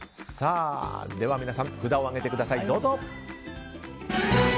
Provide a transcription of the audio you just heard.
では皆さん、札を上げてください。